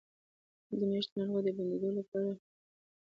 د میاشتنۍ ناروغۍ د بندیدو لپاره کوم چای وڅښم؟